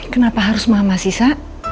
kenapa harus mama sih sa